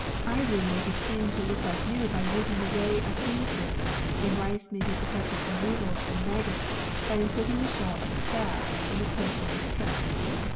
Ivory may be cleaned to look like new by using the whey of bean curd, and rice may be protected from weevils and maggots by inserting the shell of a crab in the place where it is kept.